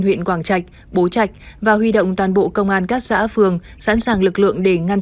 huyện quảng trạch bố trạch và huy động toàn bộ công an các xã phường sẵn sàng lực lượng để ngăn